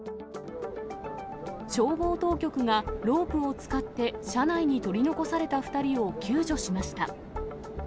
消防当局が、ロープを使って車内に取り残された２人を救助しました。